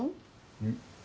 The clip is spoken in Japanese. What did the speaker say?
うん？